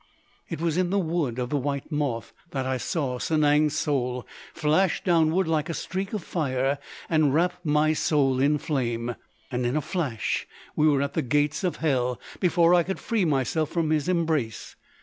It was in the Wood of the White Moth that I saw Sanang's soul flash downward like a streak of fire and wrap my soul in flame!... And, in a flash, we were at the gates of hell before I could free myself from his embrace....